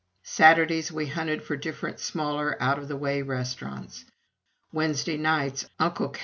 Saturdays we hunted for different smaller out of the way restaurants. Wednesday nights "Uncle K."